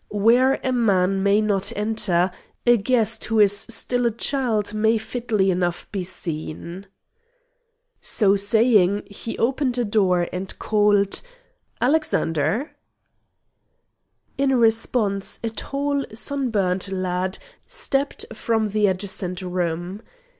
Where a man may not enter, a guest who is still a child may fitly enough be seen." So saying, he opened a door and called: "Alexander!" In response, a tall sunburnt lad stepped from the adjacent room.